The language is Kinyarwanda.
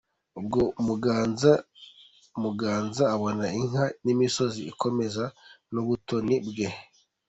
Ubwo Muganza abona inka n’imisozi akomeza n’ubutoni bwe .